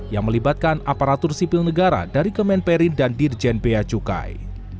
yang melibatkan aparatur sipil negara dari kemenperin dan dirjen bea cukai